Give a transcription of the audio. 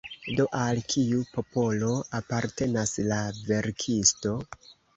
Do, al kiu popolo apartenas la verkisto?